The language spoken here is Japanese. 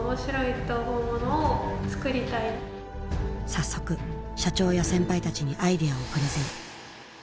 早速社長や先輩たちにアイデアをプレゼン。